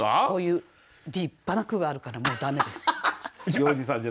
こういう立派な句があるからもう駄目です。